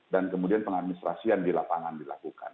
dan kemudian pengadministrasian di lapangan dilakukan